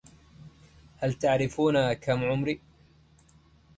هل تعرفون, كم عمري ؟